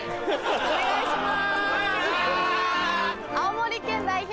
お願いします。